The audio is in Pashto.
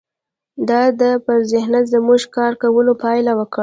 د ده پر ذهنیت زموږ کار کولو پایله ورکړه